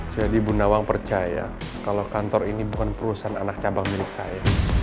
jadi bunda wang percaya kalau kantor ini bukan perusahaan anak cabang milik saya